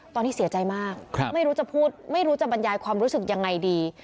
ตอนนี้เสียใจมากไม่รู้จะพูดไม่รู้จะบรรยายความรู้สึกยังไงดี